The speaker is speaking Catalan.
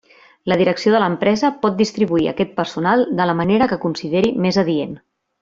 La direcció de l'empresa pot distribuir aquest personal de la manera que consideri més adient.